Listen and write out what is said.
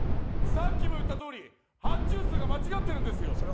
さっきも言った通り発注数が間違っているんですよ！